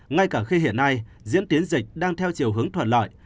ngay cả khi hiện nay diễn tiến dịch đang theo chiều hướng thuận lợi